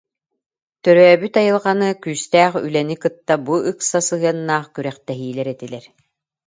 Төрөөбүт айылҕаны, күүстээх үлэни кытта бу ыкса сыһыаннаах күрэхтэһиилэр этилэр